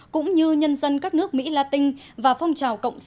cũng như nhân dân các nước mỹ latin và phong trào cộng sản cuba